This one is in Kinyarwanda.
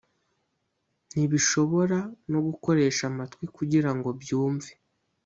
Ntibishobora no gukoresha amatwi kugira ngo byumve,